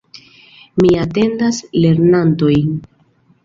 Mi atendas lernantojn.